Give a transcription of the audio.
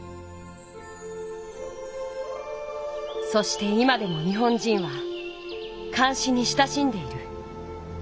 そして今でも日本人は漢詩に親しんでいる。